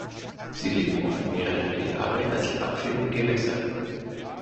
Sie leben oft mehrere Jahre als Larve in Gewässern.